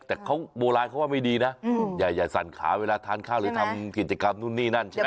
แต่เขาโบราณเขาว่าไม่ดีนะอย่าสั่นขาเวลาทานข้าวหรือทำกิจกรรมนู่นนี่นั่นใช่ไหม